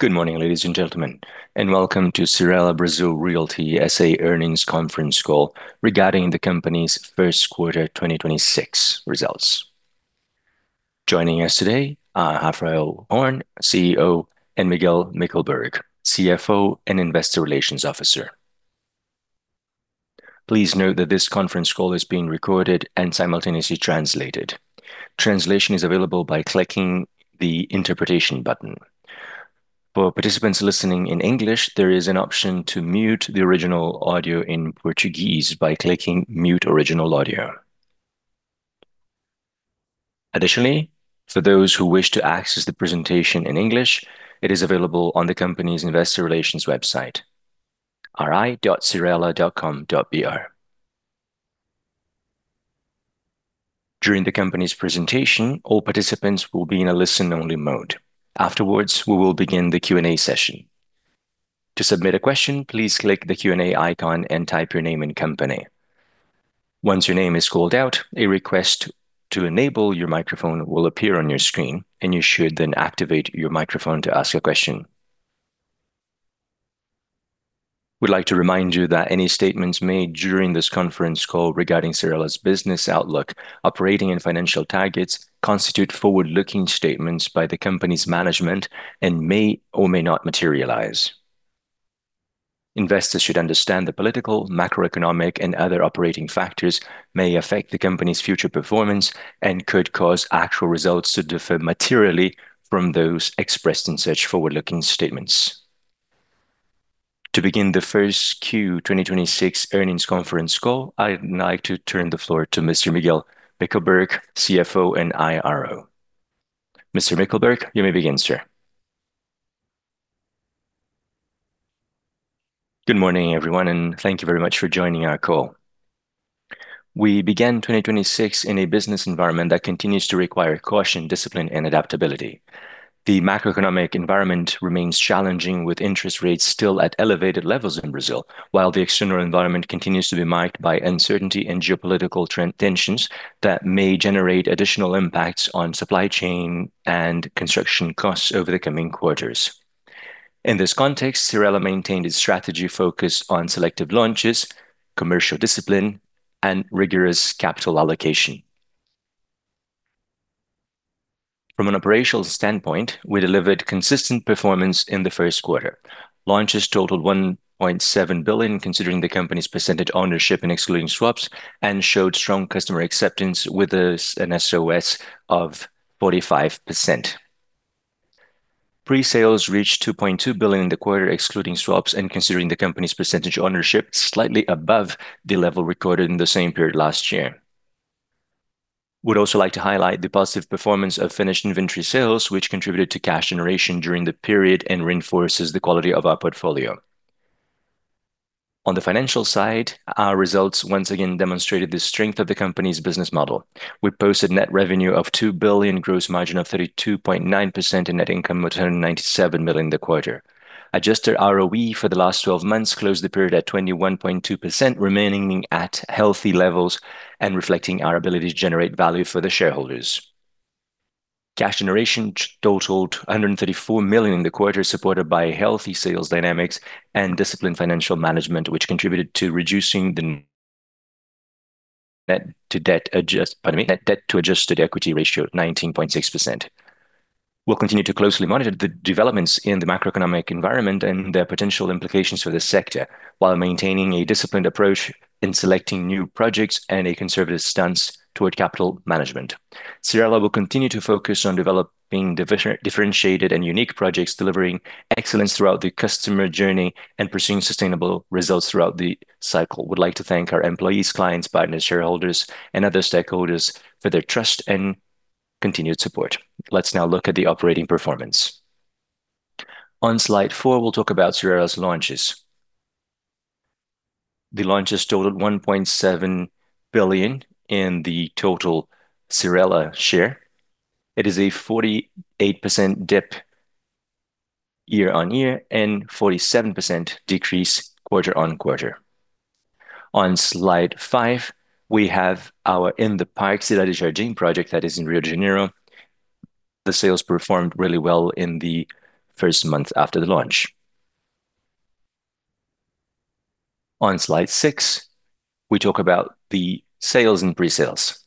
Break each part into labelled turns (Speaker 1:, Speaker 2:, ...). Speaker 1: Good morning, ladies and gentlemen, and welcome to Cyrela Brazil Realty S.A. earnings conference call regarding the company's first quarter 2026 results. Joining us today are Raphael Horn, CEO, and Miguel Mickelberg, CFO and Investor Relations Officer. Please note that this conference call is being recorded and simultaneously translated. Translation is available by clicking the Interpretation button. For participants listening in English, there is an option to mute the original audio in Portuguese by clicking Mute Original Audio. Additionally, for those who wish to access the presentation in English, it is available on the company's Investor Relations website, ri.cyrela.com.br. During the company's presentation, all participants will be in a listen-only mode. Afterwards, we will begin the Q&A session. To submit a question, please click the Q&A icon and type your name and company. Once your name is called out, a request to enable your microphone will appear on your screen, and you should then activate your microphone to ask a question. We'd like to remind you that any statements made during this conference call regarding Cyrela's business outlook, operating and financial targets constitute forward-looking statements by the company's management and may or may not materialize. Investors should understand the political, macroeconomic, and other operating factors may affect the company's future performance and could cause actual results to differ materially from those expressed in such forward-looking statements. To begin the first Q 2026 earnings conference call, I'd now like to turn the floor to Mr. Miguel Mickelberg, CFO and IRO. Mr. Mickelberg, you may begin, sir.
Speaker 2: Good morning, everyone, and thank you very much for joining our call. We began 2026 in a business environment that continues to require caution, discipline, and adaptability. The macroeconomic environment remains challenging with interest rates still at elevated levels in Brazil, while the external environment continues to be marked by uncertainty and geopolitical tensions that may generate additional impacts on supply chain and construction costs over the coming quarters. In this context, Cyrela maintained its strategy focus on selective launches, commercial discipline, and rigorous capital allocation. From an operational standpoint, we delivered consistent performance in the first quarter. Launches totaled 1.7 billion, considering the company's percentage ownership in excluding swaps, and showed strong customer acceptance with an SOS of 45%. Pre-sales reached 2.2 billion in the quarter, excluding swaps and considering the company's percentage ownership slightly above the level recorded in the same period last year. We'd also like to highlight the positive performance of finished inventory sales, which contributed to cash generation during the period and reinforces the quality of our portfolio. On the financial side, our results once again demonstrated the strength of the company's business model. We posted net revenue of 2 billion, gross margin of 32.9%, and net income of 297 million in the quarter. Adjusted ROE for the last 12 months closed the period at 21.2%, remaining at healthy levels and reflecting our ability to generate value for the shareholders. Cash generation totaled 134 million in the quarter, supported by healthy sales dynamics and disciplined financial management, which contributed to reducing the Pardon me. Net debt-to-adjusted equity ratio, 19.6%. We'll continue to closely monitor the developments in the macroeconomic environment and their potential implications for this sector while maintaining a disciplined approach in selecting new projects and a conservative stance toward capital management. Cyrela will continue to focus on developing differentiated and unique projects, delivering excellence throughout the customer journey and pursuing sustainable results throughout the cycle. We'd like to thank our employees, clients, partners, shareholders, and other stakeholders for their trust and continued support. Let's now look at the operating performance. On slide four, we'll talk about Cyrela's launches. The launches totaled 1.7 billion in the total Cyrela share. It is a 48% dip year-on-year and 47% decrease quarter-on-quarter. On slide five, we have our In The Park Cidade Jardim project that is in Rio de Janeiro. The sales performed really well in the first month after the launch. On slide six, we talk about the sales and pre-sales.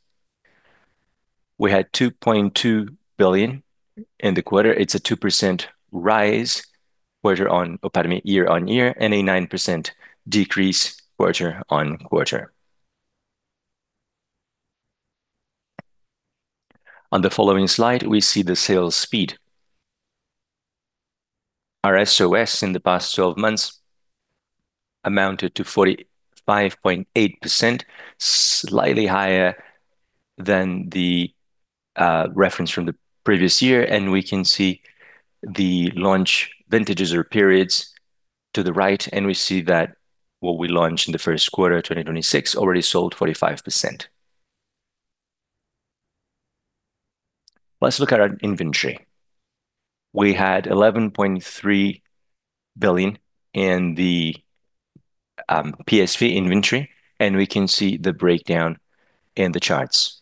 Speaker 2: We had 2.2 billion in the quarter. It's a 2% rise year-on-year and a 9% decrease quarter-on-quarter. On the following slide, we see the sales speed. Our SOS in the past 12 months amounted to 45.8%, slightly higher than the reference from the previous year. We can see the launch vintages or periods to the right. We see that what we launched in the first quarter 2026 already sold 45%. Let's look at our inventory. We had 11.3 billion in the PSV inventory. We can see the breakdown in the charts.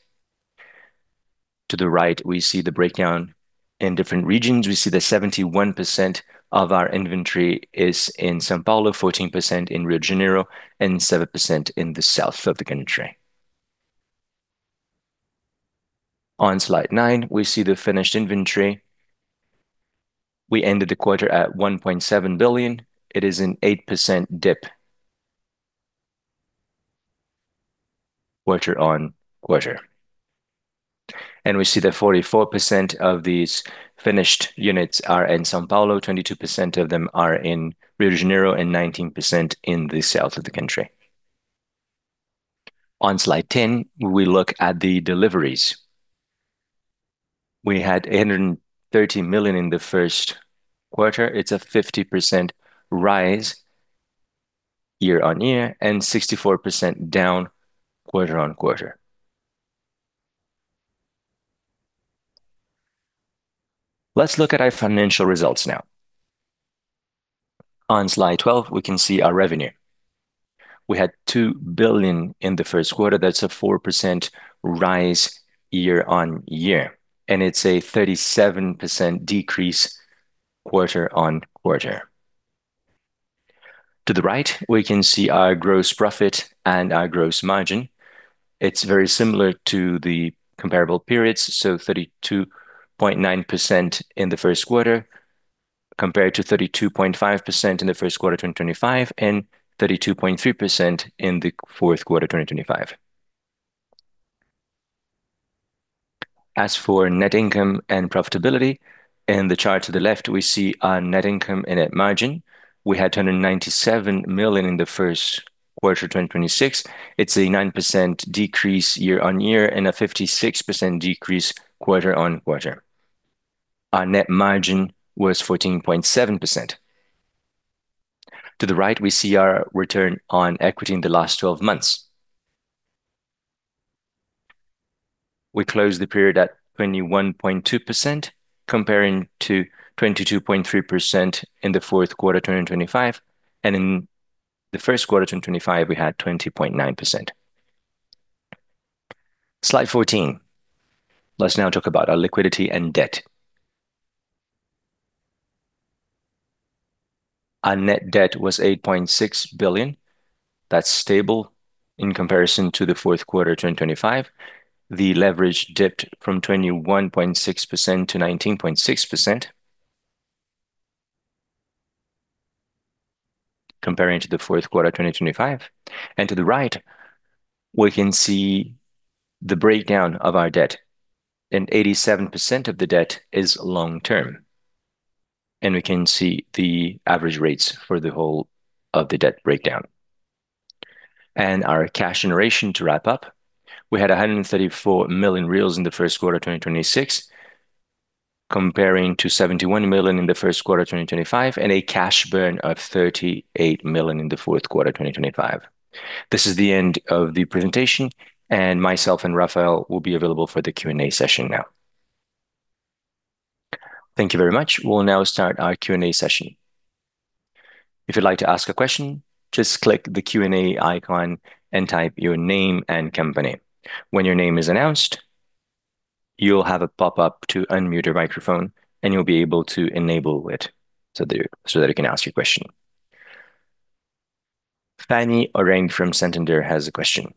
Speaker 2: To the right, we see the breakdown in different regions. We see that 71% of our inventory is in São Paulo, 14% in Rio de Janeiro, and 7% in the south of the country. On slide nine, we see the finished inventory. We ended the quarter at 1.7 billion. It is an 8% dip quarter-on-quarter. We see that 44% of these finished units are in São Paulo, 22% of them are in Rio de Janeiro, and 19% in the south of the country. On slide 10, we look at the deliveries. We had 830 million in the first quarter. It's a 50% rise year-on-year and 64% down quarter-on-quarter. Let's look at our financial results now. On slide 12, we can see our revenue. We had 2 billion in the first quarter. That's a 4% rise year-on-year, it's a 37% decrease quarter-on-quarter. To the right, we can see our gross profit and our gross margin. It's very similar to the comparable periods, so 32.9% in the first quarter compared to 32.5% in the first quarter 2025 and 32.3% in the fourth quarter 2025. As for net income and profitability, in the chart to the left, we see our net income and net margin. We had 297 million in the first quarter 2026. It's a 9% decrease year-on-year, a 56% decrease quarter-on-quarter. Our net margin was 14.7%. To the right, we see our return on equity in the last 12 months. We closed the period at 21.2% comparing to 22.3% in the fourth quarter 2025. In the first quarter 2025, we had 20.9%. Slide 14. Let's now talk about our liquidity and debt. Our net debt was 8.6 billion. That's stable in comparison to the fourth quarter 2025. The leverage dipped from 21.6% to 19.6% comparing to the fourth quarter 2025. To the right, we can see the breakdown of our debt, and 87% of the debt is long term. We can see the average rates for the whole of the debt breakdown. Our cash generation to wrap up, we had 134 million in the first quarter 2026 comparing to 71 million in the first quarter 2025 and a cash burn of 38 million in the fourth quarter 2025. This is the end of the presentation, myself and Raphael will be available for the Q&A session now.
Speaker 1: Thank you very much. We'll now start our Q&A session. If you'd like to ask a question, just click the Q&A icon and type your name and company. When your name is announced, you'll have a pop-up to unmute your microphone, and you'll be able to enable it so that you can ask your question. Fanny Oreng from Santander has a question.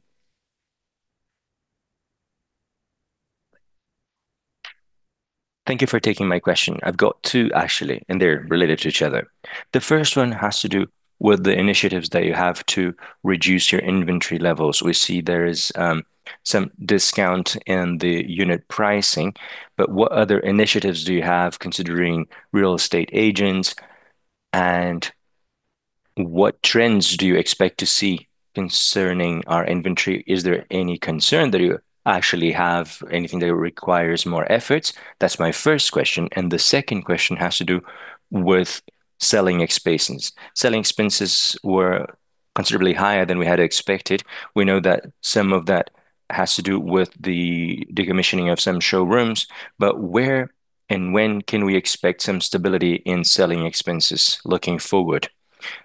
Speaker 3: Thank you for taking my question. I've got two actually, they're related to each other. The first one has to do with the initiatives that you have to reduce your inventory levels. We see there is some discount in the unit pricing, but what other initiatives do you have considering real estate agents, and what trends do you expect to see concerning our inventory? Is there any concern that you actually have anything that requires more efforts? That's my first question, and the second question has to do with selling expenses. Selling expenses were considerably higher than we had expected. We know that some of that has to do with the decommissioning of some showrooms, but where and when can we expect some stability in selling expenses looking forward?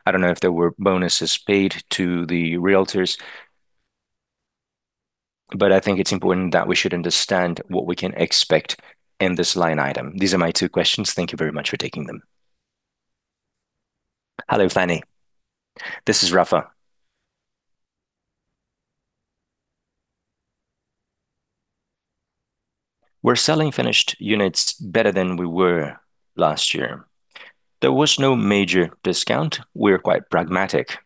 Speaker 3: I don't know if there were bonuses paid to the realtors, but I think it's important that we should understand what we can expect in this line item. These are my two questions. Thank you very much for taking them.
Speaker 4: Hello, Fanny. This is Rafa. We're selling finished units better than we were last year. There was no major discount. We're quite pragmatic.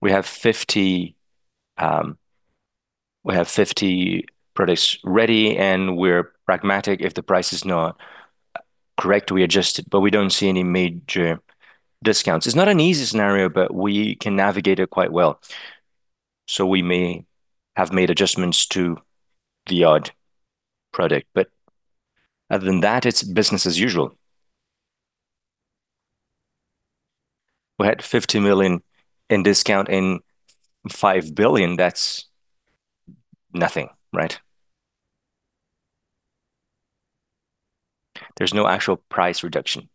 Speaker 4: We have 50 products ready, and we're pragmatic. If the price is not correct, we adjust it. We don't see any major discounts. It's not an easy scenario. We can navigate it quite well. We may have made adjustments to the odd product. Other than that, it's business as usual. We had 50 million in discount in 5 billion. That's nothing, right? There's no actual price reduction.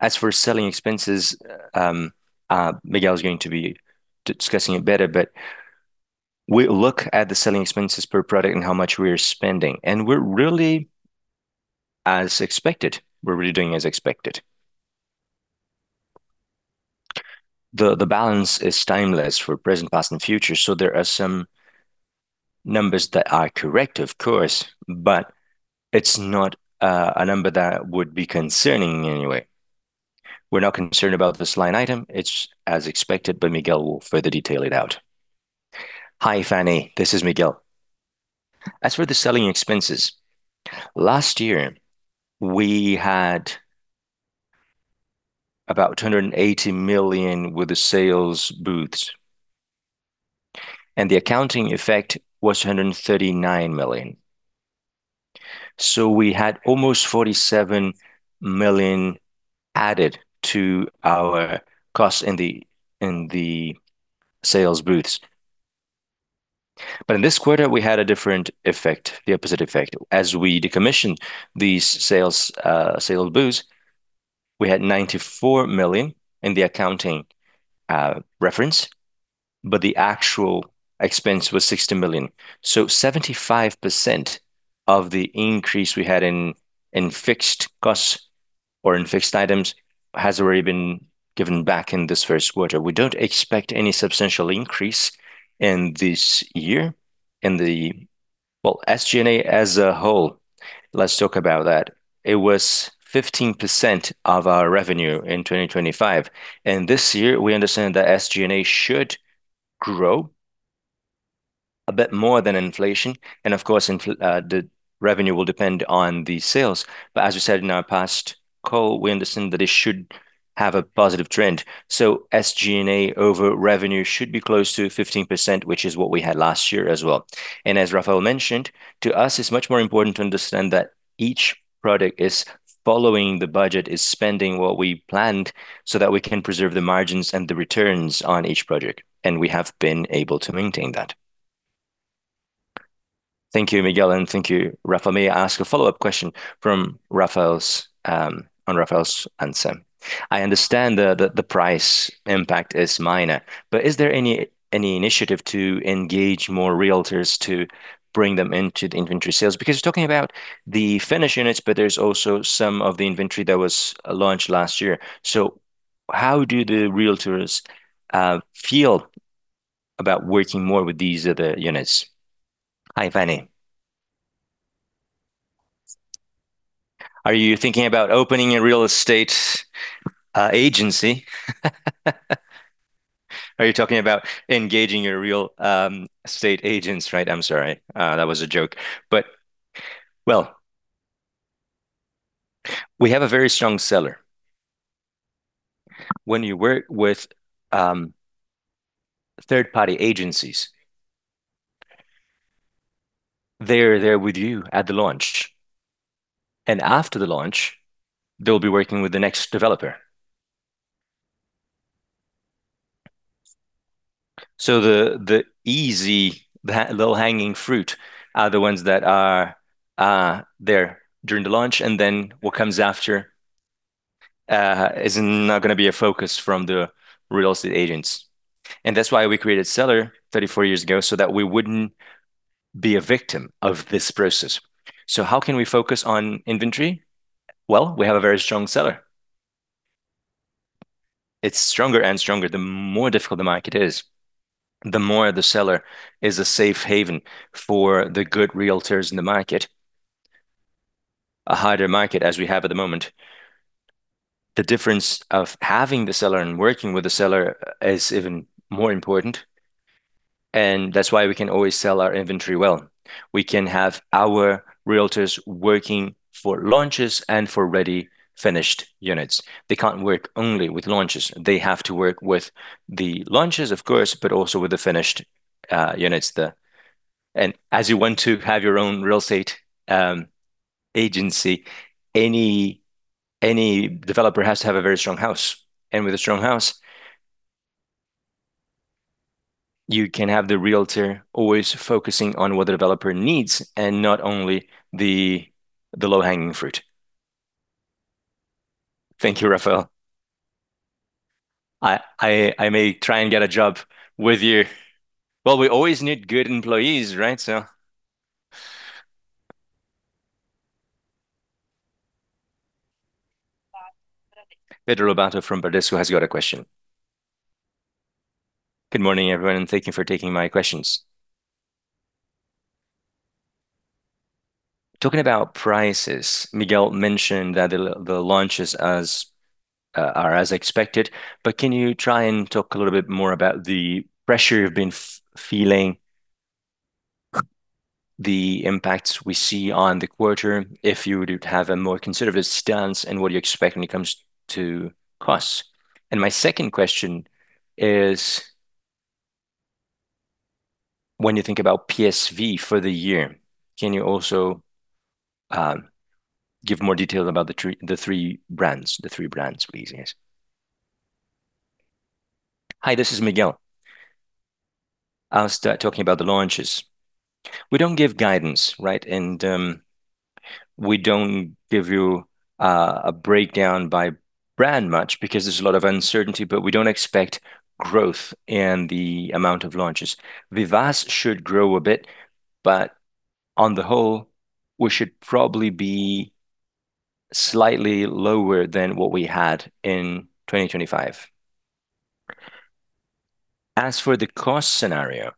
Speaker 4: As for selling expenses, Miguel's going to be discussing it better. We look at the selling expenses per product and how much we are spending. We're really as expected. We're really doing as expected. The balance is timeless for present, past, and future. There are some numbers that are correct, of course, but it's not a number that would be concerning in any way. We're not concerned about this line item. It's as expected. Miguel will further detail it out.
Speaker 2: Hi, Fanny. This is Miguel. As for the selling expenses, last year we had about 280 million with the sales booths. The accounting effect was 139 million. We had almost 47 million added to our costs in the sales booths. In this quarter, we had a different effect, the opposite effect. As we decommissioned these sales booths, we had 94 million in the accounting reference, but the actual expense was 60 million. 75% of the increase we had in fixed costs or in fixed items has already been given back in this first quarter. We don't expect any substantial increase in this year. Well, SG&A as a whole, let's talk about that. It was 15% of our revenue in 2025, and this year we understand that SG&A should grow a bit more than inflation, and of course the revenue will depend on the sales. As we said in our past call, we understand that it should have a positive trend. SG&A over revenue should be close to 15%, which is what we had last year as well. As Raphael mentioned, to us, it's much more important to understand that each product is following the budget, is spending what we planned, so that we can preserve the margins and the returns on each project, and we have been able to maintain that.
Speaker 3: Thank you, Miguel, and thank you, Raphael. May I ask a follow-up question from Raphael's on Raphael's answer? I understand the price impact is minor. Is there any initiative to engage more realtors to bring them into the inventory sales? You're talking about the finished units. There's also some of the inventory that was launched last year. How do the realtors feel about working more with these other units?
Speaker 4: Hi, Fanny. Are you thinking about opening a real estate agency? Are you talking about engaging your real estate agents, right? I'm sorry. That was a joke. Well, we have a very strong Seller. When you work with third-party agencies, they're there with you at the launch, and after the launch, they'll be working with the next developer. The easy, the low-hanging fruit are the ones that are there during the launch, and then what comes after is not gonna be a focus from the real estate agents. That's why we created Seller 34 years ago, so that we wouldn't be a victim of this process. How can we focus on inventory? Well, we have a very strong Seller. It's stronger and stronger. The more difficult the market is, the more the Seller is a safe haven for the good realtors in the market. A harder market, as we have at the moment, the difference of having the Seller and working with the Seller is even more important, and that's why we can always sell our inventory well. We can have our realtors working for launches and for ready, finished units. They can't work only with launches. They have to work with the launches, of course, but also with the finished units. As you want to have your own real estate agency, any developer has to have a very strong house. With a strong house, you can have the realtor always focusing on what the developer needs and not only the low-hanging fruit.
Speaker 3: Thank you, Raphael. I may try and get a job with you.
Speaker 4: Well, we always need good employees, right?
Speaker 1: Pedro Lobato from Bradesco has got a question.
Speaker 5: Good morning, everyone, thank you for taking my questions. Talking about prices, Miguel mentioned that the launches are as expected, can you try and talk a little bit more about the pressure you've been feeling, the impacts we see on the quarter if you would have a more conservative stance and what you expect when it comes to costs? My second question is, when you think about PSV for the year, can you also give more detail about the three brands, please?
Speaker 2: Yes. Hi, this is Miguel. I'll start talking about the launches. We don't give guidance, right? We don't give you a breakdown by brand much because there's a lot of uncertainty, we don't expect growth in the amount of launches. Vivaz should grow a bit, but on the whole, we should probably be slightly lower than what we had in 2025. As for the cost scenario,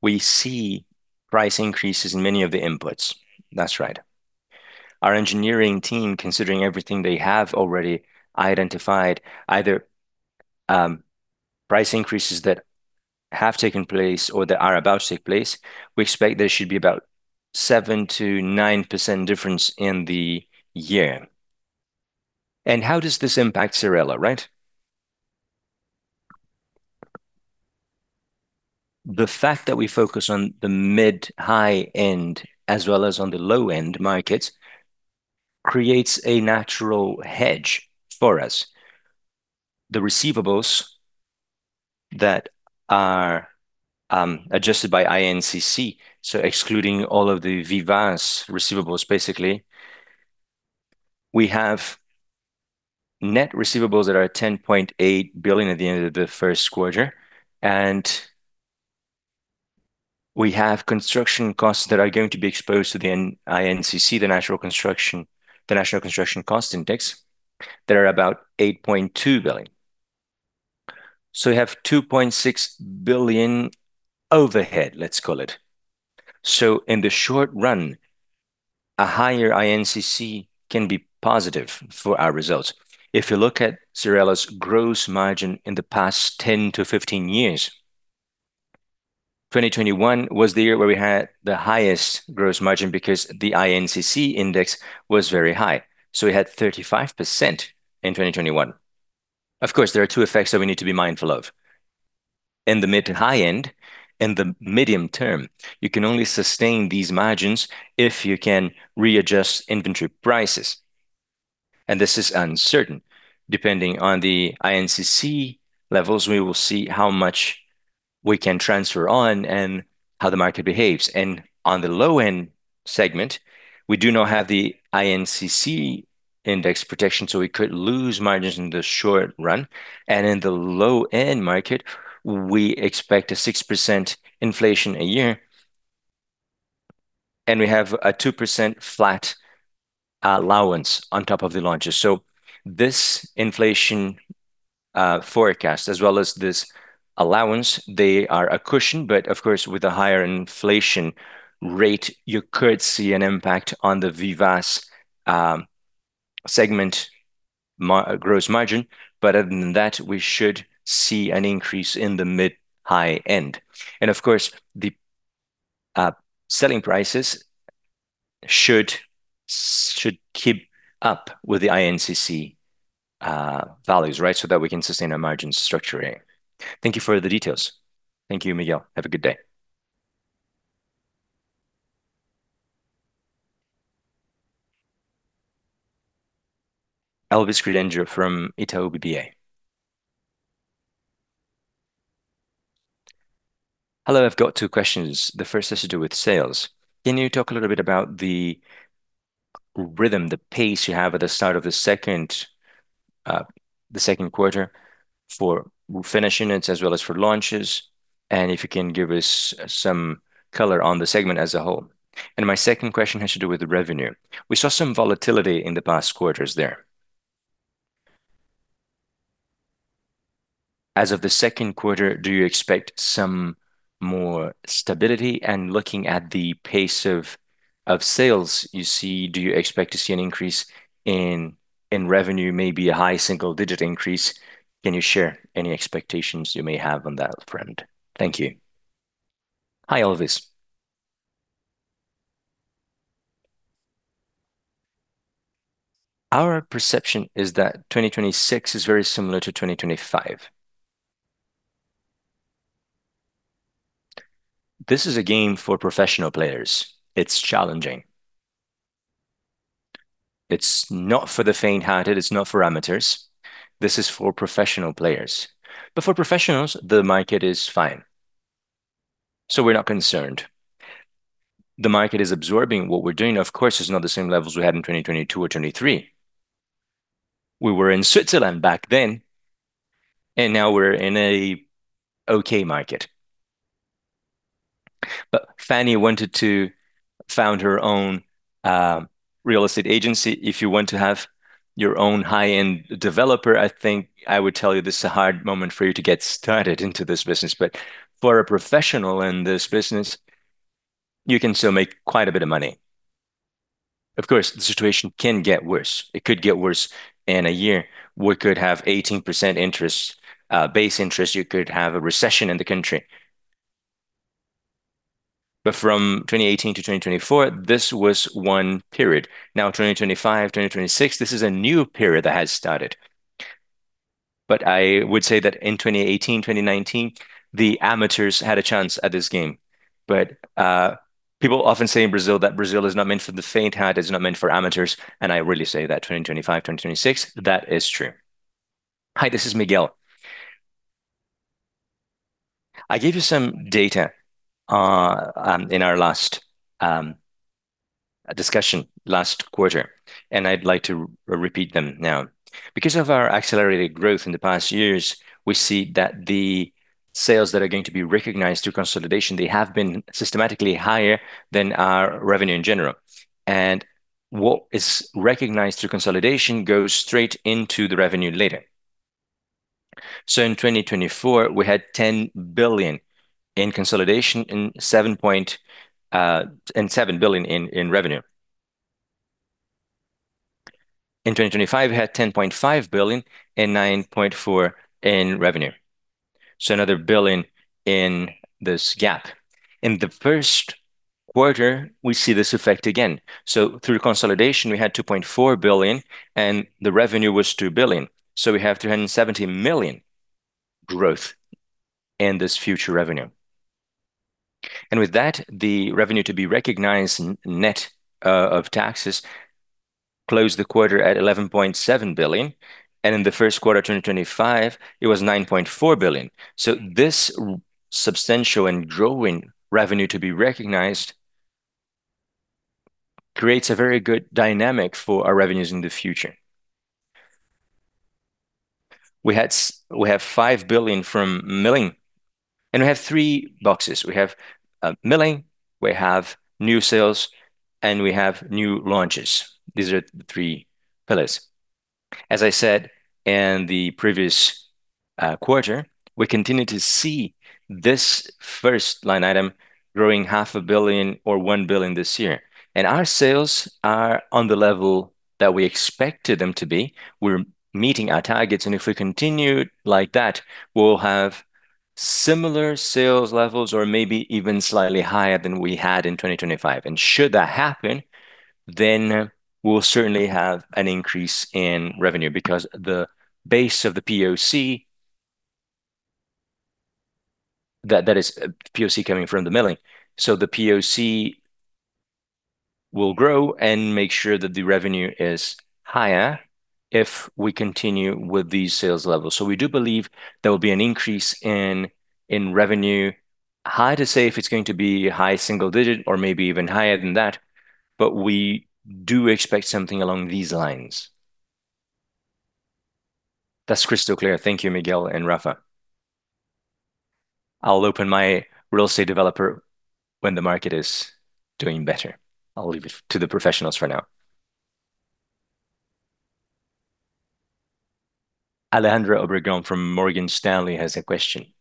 Speaker 2: we see price increases in many of the inputs. That's right. Our engineering team, considering everything they have already identified, either price increases that have taken place or that are about to take place, we expect there should be about 7%-9% difference in the year. How does this impact Cyrela, right? The fact that we focus on the mid-high end as well as on the low-end markets creates a natural hedge for us. The receivables that are adjusted by INCC, excluding all of the Vivaz receivables, basically, we have net receivables that are 10.8 billion at the end of the 1st quarter, and we have construction costs that are going to be exposed to the INCC, the National Construction Cost Index, that are about 8.2 billion. We have 2.6 billion overhead, let's call it. In the short run, a higher INCC can be positive for our results. If you look at Cyrela's gross margin in the past 10-15 years, 2021 was the year where we had the highest gross margin because the INCC index was very high, we had 35% in 2021. Of course, there are two effects that we need to be mindful of. In the mid to high end, in the medium term, you can only sustain these margins if you can readjust inventory prices, and this is uncertain. Depending on the INCC levels, we will see how much we can transfer on and how the market behaves. On the low-end segment, we do not have the INCC index protection, so we could lose margins in the short run. In the low-end market, we expect a 6% inflation a year, and we have a 2% flat allowance on top of the launches. This inflation forecast, as well as this allowance, they are a cushion. Of course, with a higher inflation rate, you could see an impact on the Vivaz segment gross margin. Other than that, we should see an increase in the mid-high end. Of course, the selling prices should keep up with the INCC values, right, so that we can sustain our margin structuring.
Speaker 5: Thank you for the details. Thank you, Miguel. Have a good day.
Speaker 1: Elvis Credendio from Itaú BBA.
Speaker 6: Hello, I've got two questions. The first has to do with sales. Can you talk a little bit about the rhythm, the pace you have at the start of the second quarter for finish units as well as for launches, and if you can give us some color on the segment as a whole. My second question has to do with the revenue. We saw some volatility in the past quarters there. As of the second quarter, do you expect some more stability? Looking at the pace of sales you see, do you expect to see an increase in revenue, maybe a high single-digit increase? Can you share any expectations you may have on that front? Thank you.
Speaker 4: Hi, Elvis. Our perception is that 2026 is very similar to 2025. This is a game for professional players. It's challenging. It's not for the faint-hearted. It's not for amateurs. This is for professional players. For professionals, the market is fine, so we're not concerned. The market is absorbing what we're doing. Of course, it's not the same levels we had in 2022 or 2023. We were in Switzerland back then, and now we're in a okay market. If Fanny wanted to found her own real estate agency, if you want to have your own high-end developer, I think I would tell you this is a hard moment for you to get started into this business. For a professional in this business, you can still make quite a bit of money. Of course, the situation can get worse. It could get worse in a year. We could have 18% interest, base interest. You could have a recession in the country. From 2018 to 2024, this was one period. Now, 2025, 2026, this is a new period that has started. I would say that in 2018, 2019, the amateurs had a chance at this game. People often say in Brazil that Brazil is not meant for the faint-hearted, it's not meant for amateurs, and I really say that 2025, 2026, that is true.
Speaker 2: Hi, this is Miguel. I gave you some data in our last discussion last quarter, and I'd like to repeat them now. Because of our accelerated growth in the past years, we see that the sales that are going to be recognized through consolidation, they have been systematically higher than our revenue in general. What is recognized through consolidation goes straight into the revenue later. In 2024, we had 10 billion in consolidation and 7 billion in revenue. In 2025, we had 10.5 billion and 9.4 billion in revenue. Another 1 billion in this gap. In the first quarter, we see this effect again. Through consolidation, we had 2.4 billion, and the revenue was 2 billion. We have 370 million growth in this future revenue. With that, the revenue to be recognized net of taxes closed the quarter at 11.7 billion, and in the first quarter of 2025, it was 9.4 billion. This substantial and growing revenue to be recognized creates a very good dynamic for our revenues in the future. We have 5 billion from Living, and we have three boxes. We have Living, we have new sales, and we have new launches. These are the three pillars. As I said in the previous quarter, we continue to see this first line item growing half a billion or 1 billion this year. Our sales are on the level that we expected them to be. We're meeting our targets, and if we continue like that, we'll have similar sales levels or maybe even slightly higher than we had in 2025. Should that happen, then we'll certainly have an increase in revenue because the base of the POC, that is, POC coming from the milling. The POC will grow and make sure that the revenue is higher if we continue with these sales levels. We do believe there will be an increase in revenue. Hard to say if it's going to be high single-digit or maybe even higher than that, but we do expect something along these lines.
Speaker 6: That's crystal clear. Thank you, Miguel and Rafa. I'll open my real estate developer when the market is doing better. I'll leave it to the professionals for now.
Speaker 1: Alejandra Obregón from Morgan Stanley has a question.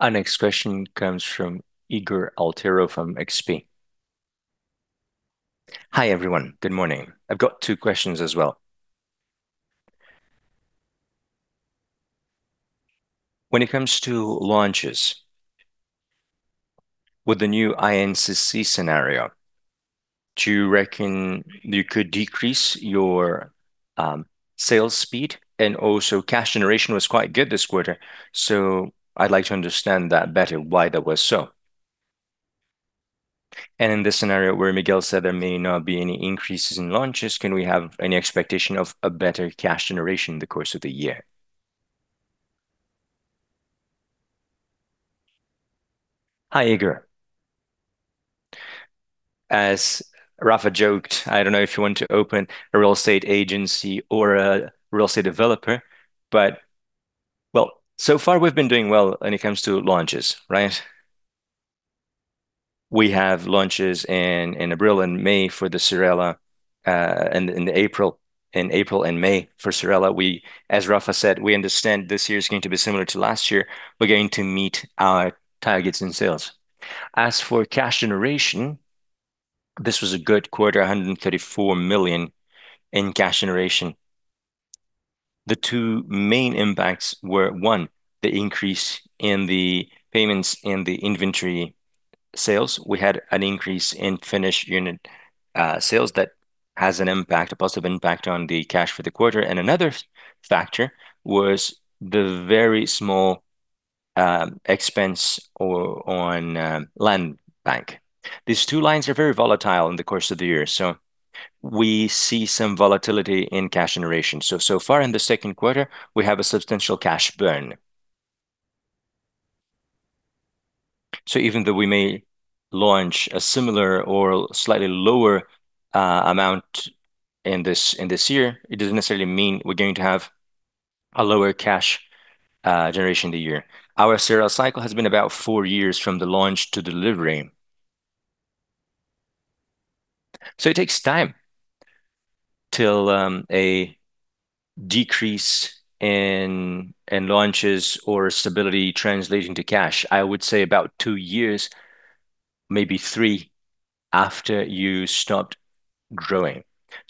Speaker 1: Our next question comes from Ygor Altero from XP.
Speaker 7: Hi, everyone. Good morning. I've got two questions as well. When it comes to launches, with the new INCC scenario, do you reckon you could decrease your sales speed? Also cash generation was quite good this quarter, so I'd like to understand that better why that was so. In this scenario where Miguel said there may not be any increases in launches, can we have any expectation of a better cash generation in the course of the year?
Speaker 2: Hi, Ygor. As Rafa joked, I don't know if you want to open a real estate agency or a real estate developer. Well, so far we've been doing well when it comes to launches, right? We have launches in April and May for the Cyrela in April and May for Cyrela. As Rafa said, we understand this year is going to be similar to last year. We are going to meet our targets in sales. For cash generation, this was a good quarter, 134 million in cash generation. The two main impacts were, one, the increase in the payments in the inventory sales. We had an increase in finished unit sales that has an impact, a positive impact on the cash for the quarter. Another factor was the very small expense on land bank. These two lines are very volatile in the course of the year, we see some volatility in cash generation. So far in the second quarter, we have a substantial cash burn. Even though we may launch a similar or slightly lower amount this year, it doesn't necessarily mean we're going to have a lower cash generation of the year. Our sales cycle has been about four years from the launch to delivery. It takes time till a decrease in launches or stability translating to cash. I would say about two years, maybe three after you stopped growing.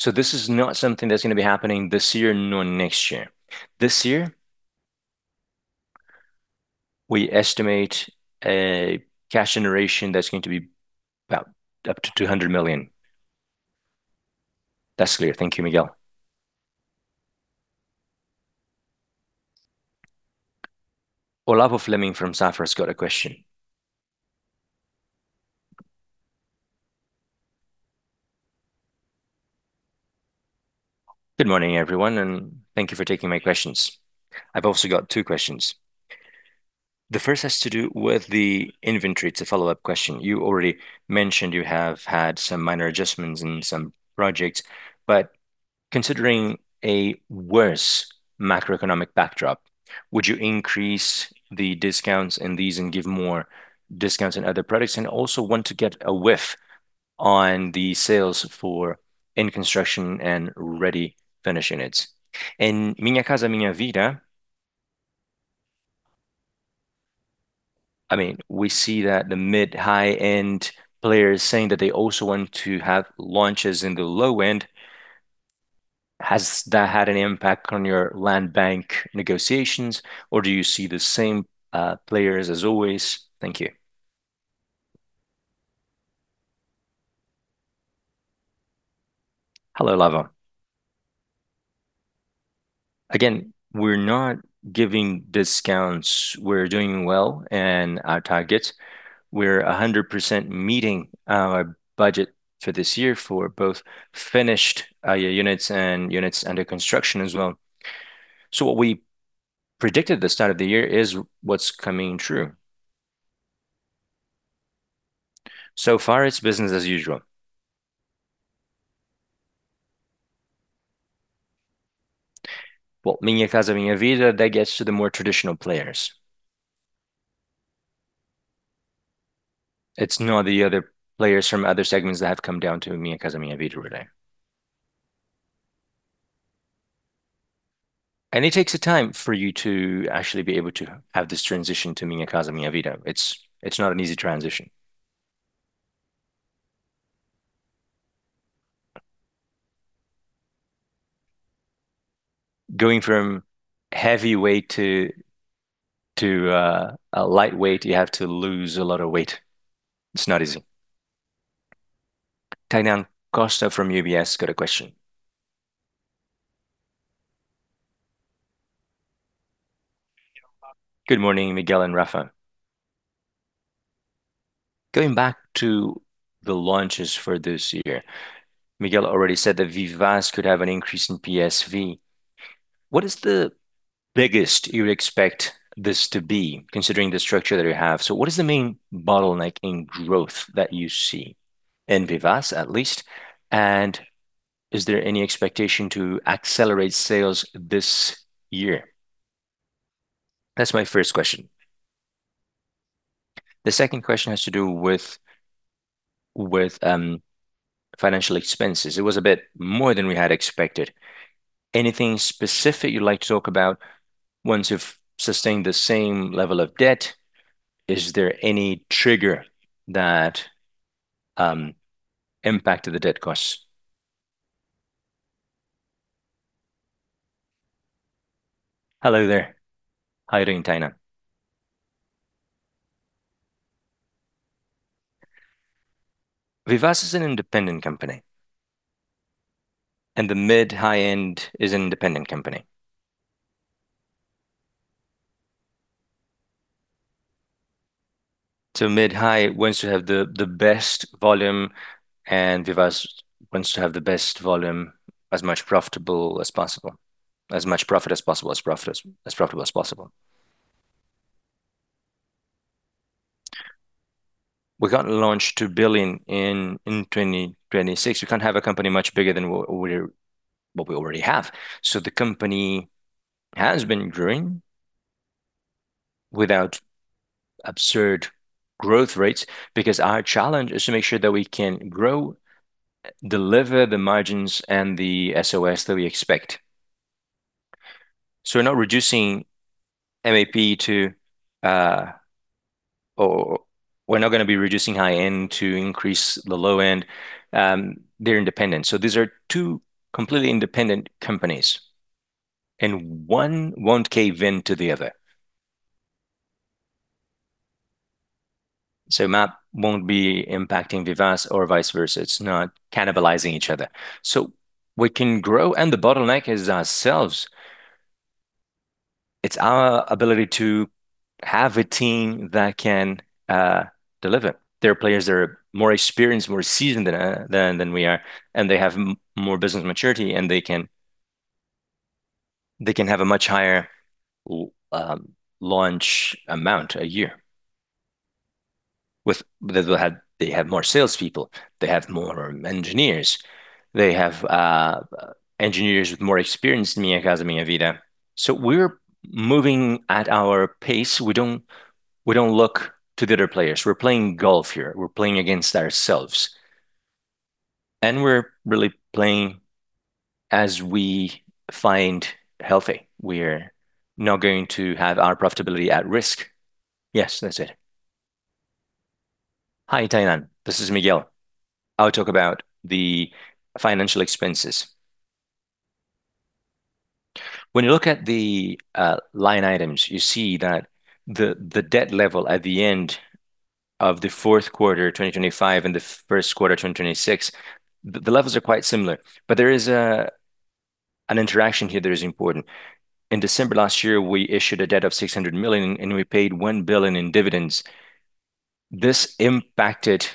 Speaker 2: This is not something that's gonna be happening this year nor next year. This year, we estimate a cash generation that's going to be about up to 200 million.
Speaker 7: That's clear. Thank you, Miguel.
Speaker 1: Olavo Fleming from Safra's got a question.
Speaker 8: Good morning, everyone, thank you for taking my questions. I've also got two questions. The first has to do with the inventory. It's a follow-up question. You already mentioned you have had some minor adjustments in some projects, but considering a worse macroeconomic backdrop, would you increase the discounts in these and give more discounts on other products? Want to get a whiff on the sales for in-construction and ready finish units. In Minha Casa, Minha Vida, I mean, we see that the mid, high-end players saying that they also want to have launches in the low end. Has that had an impact on your land bank negotiations, or do you see the same players as always? Thank you.
Speaker 4: Hello, Olavo. Again, we're not giving discounts. We're doing well in our targets. We're 100% meeting our budget for this year for both finished units and units under construction as well. What we predicted at the start of the year is what's coming true. So far, it's business as usual. Well, Minha Casa, Minha Vida, that gets to the more traditional players. It's not the other players from other segments that have come down to Minha Casa, Minha Vida today. It takes a time for you to actually be able to have this transition to Minha Casa, Minha Vida. It's not an easy transition. Going from heavyweight to a lightweight, you have to lose a lot of weight. It's not easy.
Speaker 1: Tainan Costa from UBS got a question.
Speaker 9: Good morning, Miguel and Rafa. Going back to the launches for this year, Miguel already said that Vivaz could have an increase in PSV. What is the biggest you expect this to be, considering the structure that you have? What is the main bottleneck in growth that you see in Vivaz, at least? Is there any expectation to accelerate sales this year? That's my first question. The second question has to do with financial expenses. It was a bit more than we had expected. Anything specific you'd like to talk about once you've sustained the same level of debt? Is there any trigger that impacted the debt costs?
Speaker 4: Hello there. How are you doing, Tainan? Vivaz is an independent company, the mid, high-end is an independent company. Mid high wants to have the best volume and Vivaz wants to have the best volume as profitable as possible. We can't launch 2 billion in 2026. We can't have a company much bigger than what we already have. The company has been growing without absurd growth rates because our challenge is to make sure that we can grow, deliver the margins and the SOS that we expect. We're not reducing MAP to, or we're not going to be reducing high-end to increase the low end. They're independent. These are two completely independent companies, and one won't cave in to the other. MAP won't be impacting Vivaz or vice versa. It's not cannibalizing each other. We can grow, and the bottleneck is ourselves. It's our ability to have a team that can deliver. Their players are more experienced, more seasoned than we are, and they have more business maturity, and they can have a much higher launch amount a year. They have more salespeople. They have more engineers. They have engineers with more experience than me and Minha Casa, Minha Vida. We're moving at our pace. We don't look to the other players. We're playing golf here. We're playing against ourselves, and we're really playing as we find healthy. We're not going to have our profitability at risk. Yes, that's it.
Speaker 2: Hi, Tainan. This is Miguel. I'll talk about the financial expenses. When you look at the line items, you see that the debt level at the end of the fourth quarter 2025 and the first quarter 2026, the levels are quite similar. There is an interaction here that is important. In December last year, we issued a debt of 600 million, and we paid 1 billion in dividends. This impacted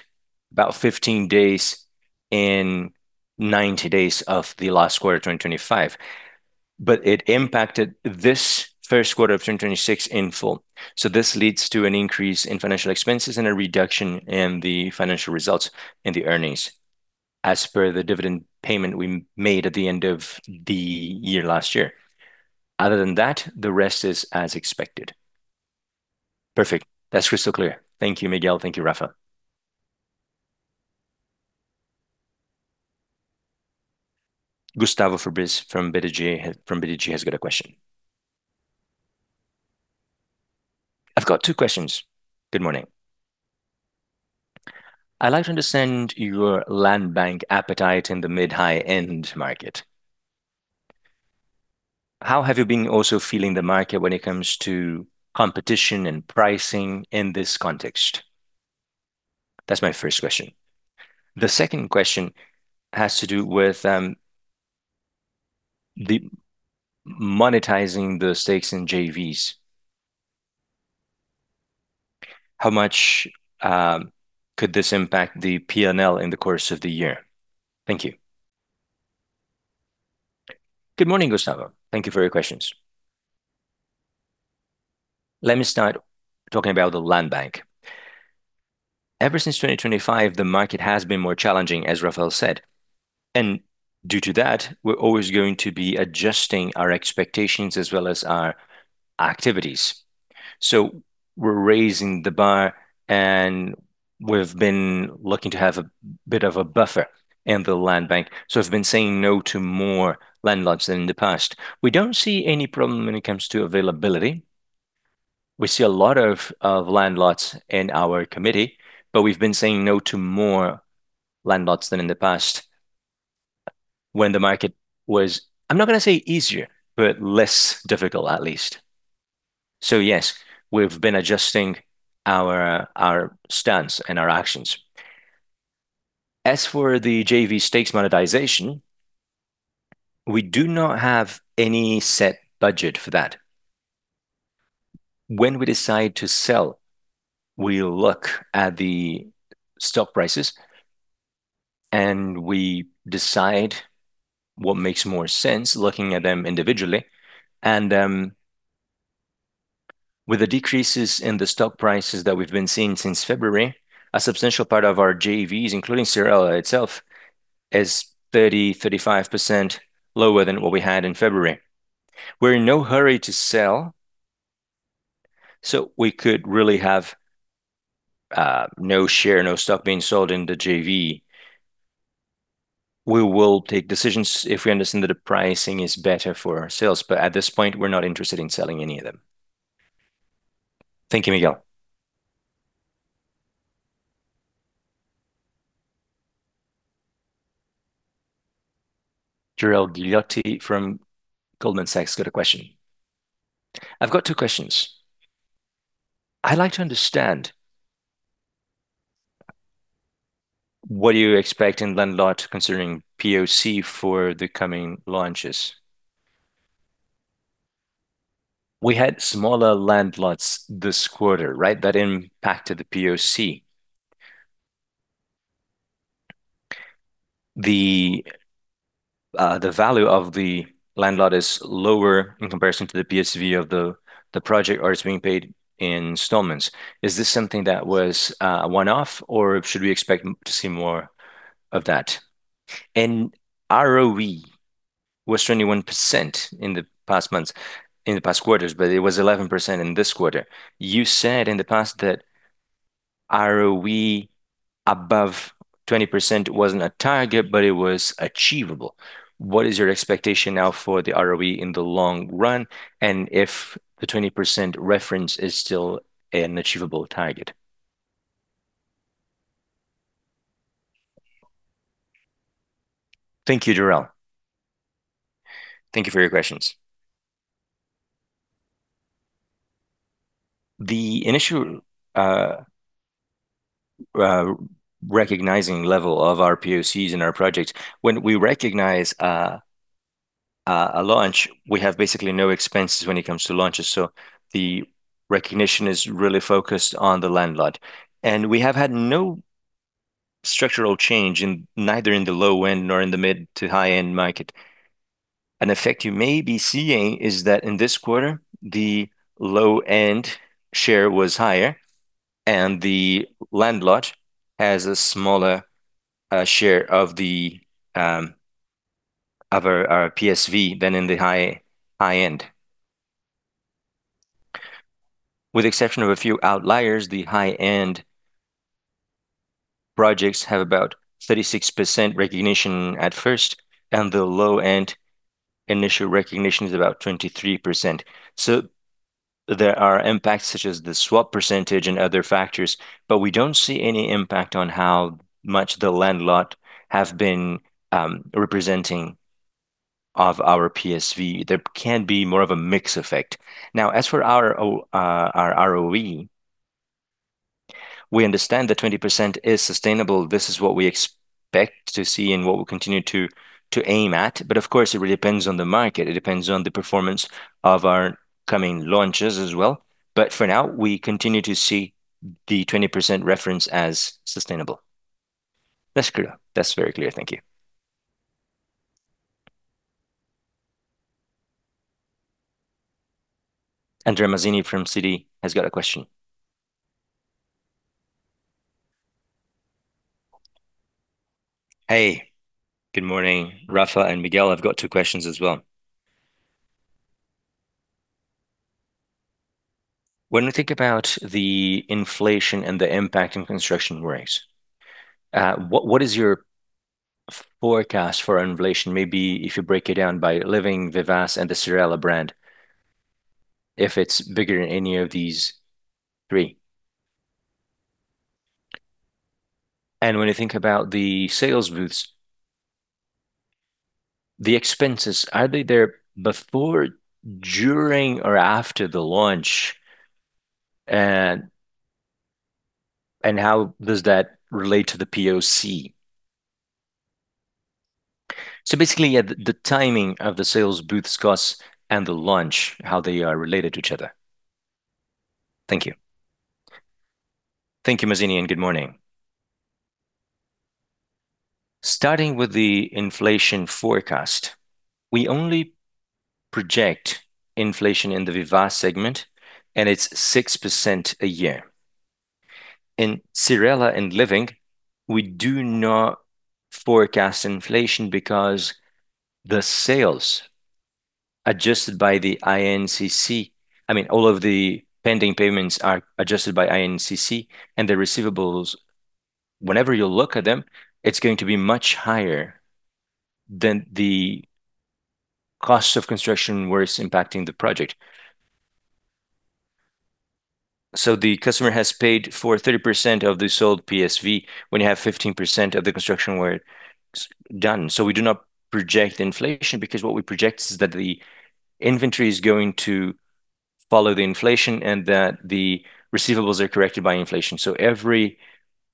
Speaker 2: about 15 days in 90 days of the last quarter of 2025, it impacted this 1st quarter of 2026 in full. This leads to an increase in financial expenses and a reduction in the financial results in the earnings as per the dividend payment we made at the end of the year last year. Other than that, the rest is as expected.
Speaker 9: Perfect. That's crystal clear. Thank you, Miguel. Thank you, Rafa.
Speaker 1: Gustavo Fabris from BTG has got a question.
Speaker 10: I've got two questions. Good morning. I'd like to understand your land bank appetite in the mid, high-end market. How have you been also feeling the market when it comes to competition and pricing in this context? That's my first question. The second question has to do with the monetizing the stakes in JVs. How much could this impact the P&L in the course of the year? Thank you.
Speaker 2: Good morning, Gustavo. Thank you for your questions. Let me start talking about the land bank. Ever since 2025, the market has been more challenging, as Raphael said. Due to that, we're always going to be adjusting our expectations as well as our activities. We're raising the bar. We've been looking to have a bit of a buffer in the land bank. We've been saying no to more land lots than in the past. We don't see any problem when it comes to availability. We see a lot of land lots in our committee. We've been saying no to more land lots than in the past when the market was, I'm not gonna say easier, but less difficult at least. Yes, we've been adjusting our stance and our actions. As for the JV stakes monetization, we do not have any set budget for that. When we decide to sell, we look at the stock prices, and we decide what makes more sense looking at them individually. With the decreases in the stock prices that we've been seeing since February, a substantial part of our JVs, including Cyrela itself, is 30%-35% lower than what we had in February. We're in no hurry to sell, so we could really have no share, no stock being sold in the JV. We will take decisions if we understand that the pricing is better for our sales, but at this point, we're not interested in selling any of them.
Speaker 10: Thank you, Miguel.
Speaker 1: Jorel Guilloty from Goldman Sachs got a question.
Speaker 11: I've got two questions. I'd like to understand. What do you expect in land lot considering POC for the coming launches? We had smaller land lots this quarter, right? That impacted the POC. The value of the land lot is lower in comparison to the PSV of the project, or it's being paid in installments. Is this something that was a one-off, or should we expect to see more of that? ROE was 21% in the past quarters, but it was 11% in this quarter. You said in the past that ROE above 20% wasn't a target, but it was achievable. What is your expectation now for the ROE in the long run, and if the 20% reference is still an achievable target?
Speaker 2: Thank you, Jorel. Thank you for your questions. The initial recognizing level of our POCs in our projects, when we recognize a launch, we have basically no expenses when it comes to launches, so the recognition is really focused on the land lot. We have had no structural change in, neither in the low end nor in the mid to high-end market. An effect you may be seeing is that in this quarter, the low-end share was higher, and the land lot has a smaller share of the of our PSV than in the high end. With exception of a few outliers, the high-end projects have about 36% recognition at first, and the low-end initial recognition is about 23%. There are impacts such as the swap percentage and other factors, but we don't see any impact on how much the land lot have been representing of our PSV. There can be more of a mix effect. As for our ROE, we understand that 20% is sustainable. This is what we expect to see and what we'll continue to aim at. Of course, it really depends on the market. It depends on the performance of our coming launches as well. For now, we continue to see the 20% reference as sustainable.
Speaker 11: That's clear. That's very clear. Thank you.
Speaker 1: Andre Mazini from Citi has got a question.
Speaker 12: Hey, good morning, Rafa and Miguel. I've got two questions as well. When we think about the inflation and the impact in construction rates, what is your forecast for inflation? Maybe if you break it down by Living, Vivaz, and the Cyrela brand, if it's bigger in any of these three. When you think about the sales booths, the expenses, are they there before, during, or after the launch? How does that relate to the POC? Basically, yeah, the timing of the sales booths costs and the launch, how they are related to each other. Thank you.
Speaker 2: Thank you, Mazini, and good morning. Starting with the inflation forecast, we only project inflation in the Vivaz segment, and it's 6% a year. In Cyrela and Living, we do not forecast inflation because the sales adjusted by the INCC. I mean, all of the pending payments are adjusted by INCC, and the receivables, whenever you look at them, it's going to be much higher than the cost of construction where it's impacting the project. The customer has paid for 30% of the sold PSV when you have 15% of the construction work done. We do not project inflation because what we project is that the inventory is going to follow the inflation and that the receivables are corrected by inflation. Every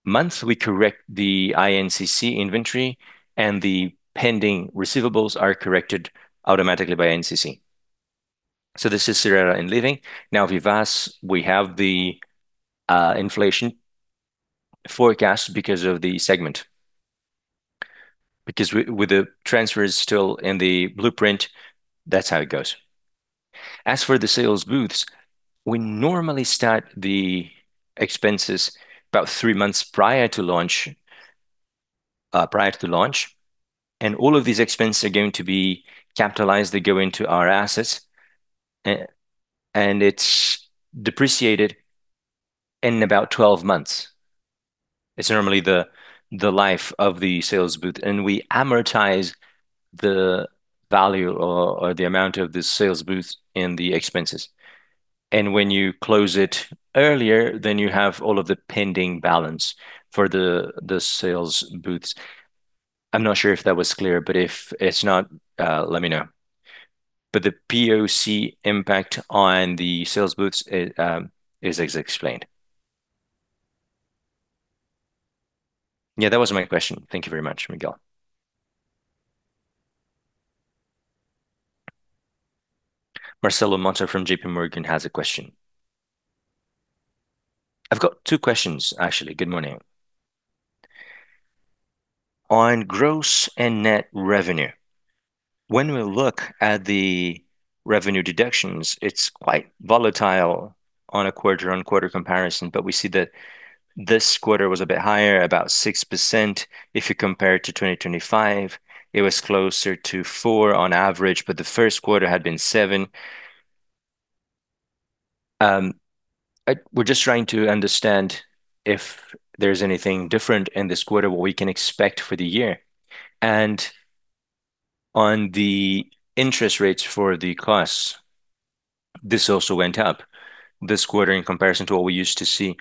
Speaker 2: month, we correct the INCC inventory, and the pending receivables are corrected automatically by INCC. This is Cyrela and Living. Now, Vivaz, we have the inflation forecast because of the segment. Because with the transfers still in the blueprint, that's how it goes. As for the sales booths, we normally start the expenses about three months prior to launch, and all of these expenses are going to be capitalized. They go into our assets, and it's depreciated in about 12 months. It's normally the life of the sales booth, we amortize the value or the amount of the sales booth in the expenses. When you close it earlier, you have all of the pending balance for the sales booths. I'm not sure if that was clear, if it's not, let me know. The POC impact on the sales booths is as explained.
Speaker 12: Yeah, that was my question. Thank you very much, Miguel.
Speaker 1: Marcelo Motta from J.P. Morgan has a question.
Speaker 13: I've got two questions, actually. Good morning. On gross and net revenue, when we look at the revenue deductions, it's quite volatile on a quarter-over-quarter comparison, we see that this quarter was a bit higher, about 6% if you compare it to 2025. It was closer to 4% on average, the first quarter had been 7%. We're just trying to understand if there's anything different in this quarter, what we can expect for the year. On the interest rates for the costs, this also went up this quarter in comparison to what we used to see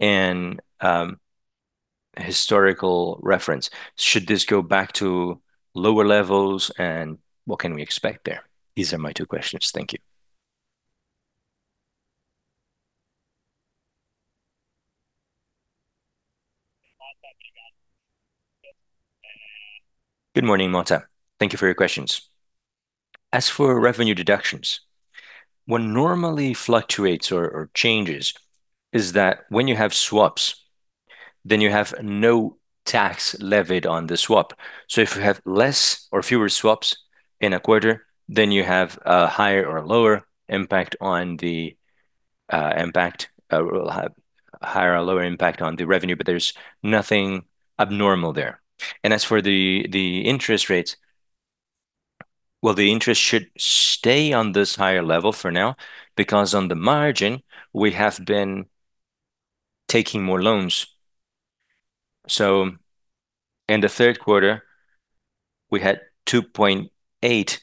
Speaker 13: in historical reference. Should this go back to lower levels, and what can we expect there? These are my two questions. Thank you.
Speaker 2: Good morning, Motta. Thank you for your questions. As for revenue deductions, what normally fluctuates or changes is that when you have swaps, then you have no tax levied on the swap. If you have less or fewer swaps in a quarter, then you have a higher or lower impact on the revenue, but there's nothing abnormal there. As for the interest rates, well, the interest should stay on this higher level for now because on the margin we have been taking more loans. In the third quarter, we had 2.8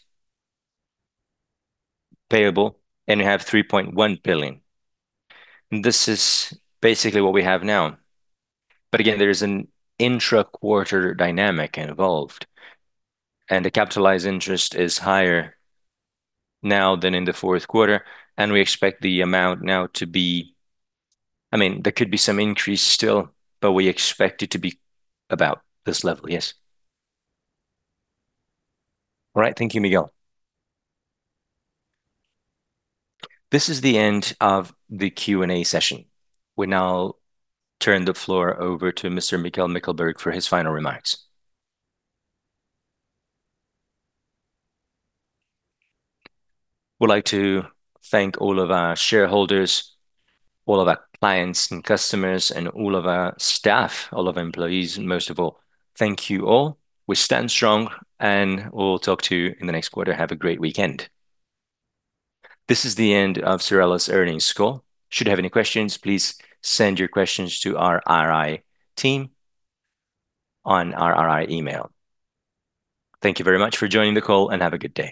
Speaker 2: payable, and we have 3.1 billion. This is basically what we have now. Again, there is an intra-quarter dynamic involved, and the capitalized interest is higher now than in the fourth quarter, and we expect the amount now to be I mean, there could be some increase still, but we expect it to be about this level, yes.
Speaker 13: All right. Thank you, Miguel.
Speaker 1: This is the end of the Q&A session. We now turn the floor over to Mr. Miguel Mickelberg for his final remarks.
Speaker 2: Would like to thank all of our shareholders, all of our clients and customers, and all of our staff, all of our employees, and most of all, thank you all. We stand strong, and we'll talk to you in the next quarter. Have a great weekend.
Speaker 1: This is the end of Cyrela's earnings call. Should you have any questions, please send your questions to our RI team on our RI email. Thank you very much for joining the call, and have a good day.